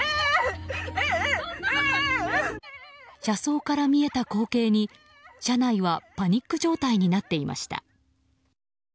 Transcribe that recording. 車窓から見えた光景に車内はパニック状態になっていました。